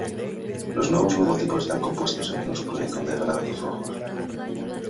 Los nuevos logotipos están compuestos en minúscula y con degradados rojos.